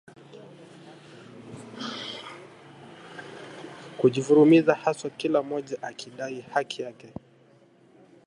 Kujivurumiza haswa, kila mmoja akidai haki yake